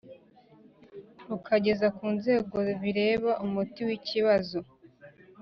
rukageza ku nzego bireba umuti w ikibazo